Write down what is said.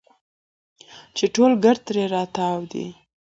چې ټول ګرد ترې راتاو دي.